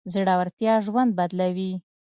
زړورتيا ژوند بدلوي.